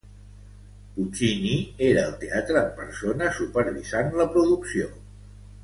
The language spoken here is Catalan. Puccini era al teatre en persona supervisant la producció.